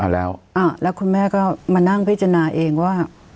แล้วแล้วคุณแม่ก็มานั่งพิจารณาเองว่า